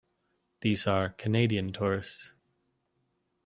These are Canadian tourists.